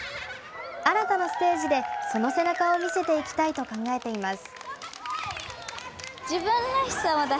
新たなステージで、その背中を見せていきたいと考えています。